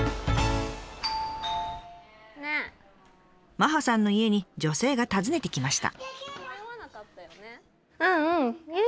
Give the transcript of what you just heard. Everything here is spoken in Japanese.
・麻葉さんの家に女性が訪ねて来ました。